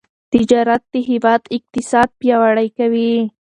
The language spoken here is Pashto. تجارت د هیواد اقتصاد پیاوړی کوي.